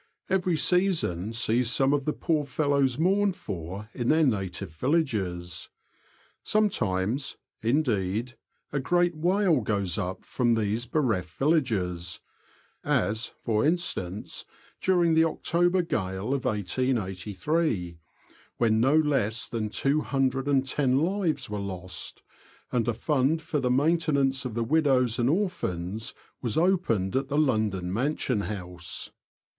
Every season sees some of the poor fellows mourned for in their native villages. Sometimes, indeed, a great wail goes up from these bereft villagers ; as, for instance, during the October gale of 1883, when no less than 210 lives were lost, and a fund for the maintenance of the widows and orphans was opened at the London Mansion House.